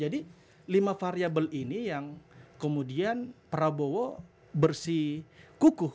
jadi lima variabel ini yang kemudian prabowo bersih kukuh